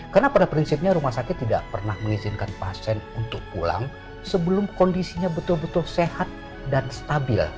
karena pada prinsipnya rumah sakit tidak pernah mengizinkan pasien untuk pulang sebelum kondisinya betul betul sehat dan stabil